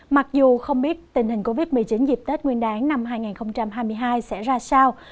mặc dù không biết tình hình covid một mươi chín dịp tết nguyên đáng năm hai nghìn hai mươi hai sẽ ra sao